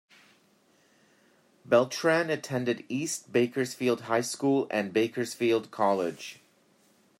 Beltran attended East Bakersfield High School and Bakersfield College.